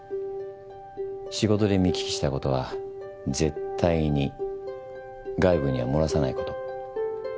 仕事で見聞きしたことは絶対に外部には漏らさないこと。